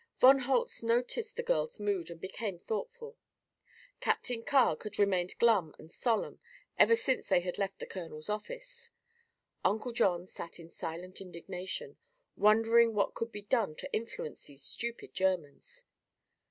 Von Holtz noticed the girl's mood and became thoughtful. Captain Carg had remained glum and solemn ever since they had left the colonel's office. Uncle John sat in silent indignation, wondering what could be done to influence these stupid Germans.